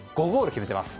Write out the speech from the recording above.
決めています。